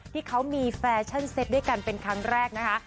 ที่เขามีแฟชั่นเซตด้วยกันเป็นครั้งแรกนะคะ